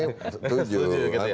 pak emrus juga harus tujuh